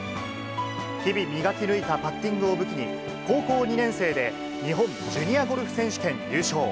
日々磨き抜いたパッティングを武器に、高校２年生で日本ジュニアゴルフ選手権優勝。